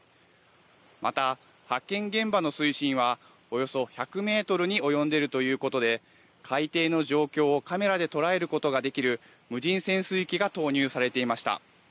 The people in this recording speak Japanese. また、発見現場の水深はおよそ１００メートルに及んでいるということで海底の状況をカメラで捉えることができる無人潜水機が投入されていました。